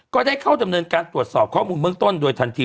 ก็ได้เข้าดำเนินการตรวจสอบข้อมูลเบื้องต้นโดยทันที